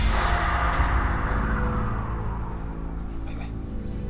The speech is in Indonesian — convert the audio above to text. eh siapa disitu